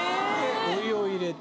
お湯を入れて。